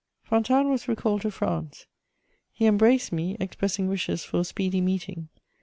_ Fontanes was recalled to France. He embraced me, expressing wishes for a speedy meeting.